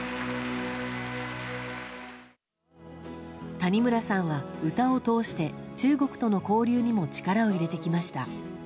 谷村さんは歌を通して中国との交流にも力を入れてきました。